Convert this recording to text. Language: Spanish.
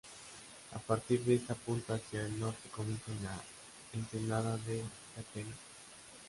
A partir de esta punta hacia el norte comienza la ensenada de Getares.